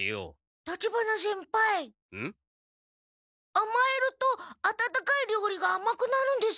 あまえると温かい料理があまくなるんですか？